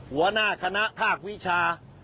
หัวหน้าคณะภาควิชา